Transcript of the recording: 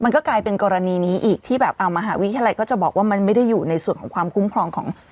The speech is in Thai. มันก็กลายเป็นกรณีนี้อีกที่แบบเอามหาวิทยาลัยก็จะบอกว่ามันไม่ได้อยู่ในส่วนของความคุ้มครองของ